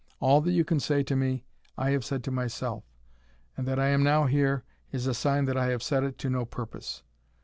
All that you can say to me I have said to myself; and that I am now here, is a sign that I have said it to no purpose.